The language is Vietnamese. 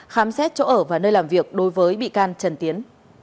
khám xét chỗ ở và nơi làm việc đối với bị can trần tiến